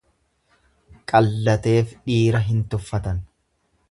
Qallateef dhiira hin tuffatan.